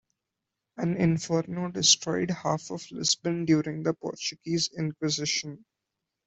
An inferno destroyed half of Lisbon during the Portuguese inquisition.